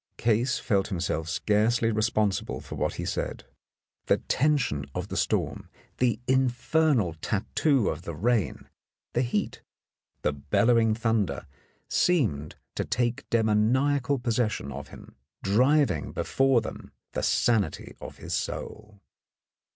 " Case felt himself scarcely responsible for what he said ; the tension of the storm, the infernal tattoo of the rain, the heat, the bellowing thunder, seemed to take demoniacal possession of him, driving before them the sanity of his soul.